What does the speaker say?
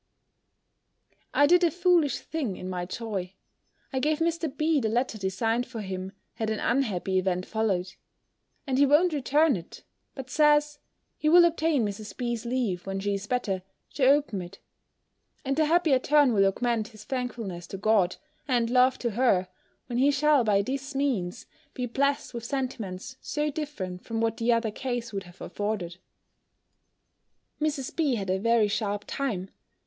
I did a foolish thing in my joy I gave Mr. B. the letter designed for him, had an unhappy event followed; and he won't return it: but says, he will obtain Mrs. B.'s leave, when she is better, to open it; and the happier turn will augment his thankfulness to God, and love to her, when he shall, by this means, be blest with sentiments so different from what the other case would have afforded. Mrs. B. had a very sharp time.